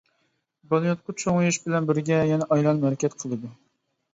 بالىياتقۇ چوڭىيىش بىلەن بىرگە، يەنە ئايلانما ھەرىكەت قىلىدۇ.